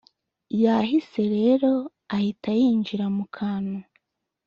yahise rero ahita yinjira mu kantu